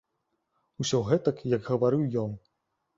Усё гэтак, як гаварыў ён.